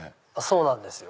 そうなんですよ。